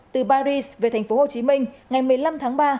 từ paris về thành phố hồ chí minh ngày một mươi năm tháng ba